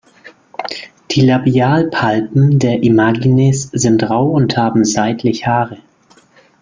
Die Labialpalpen der Imagines sind rau und haben seitlich Haare.